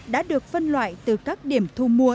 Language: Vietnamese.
đã được phân loại từ các điểm thu mua